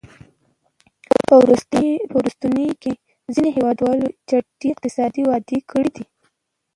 په وروستیو کې ځینو هېوادونو چټکې اقتصادي وده کړې ده.